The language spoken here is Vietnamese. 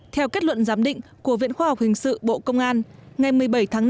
theo kết luận giám định của viện khoa học hình sự bộ công an ngày một mươi bảy tháng năm